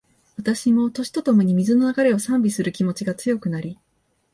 私も、年とともに、水の流れを賛美する気持ちが強くなり